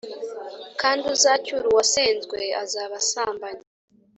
kandi uzacyura uwasenzwe azaba asambanye.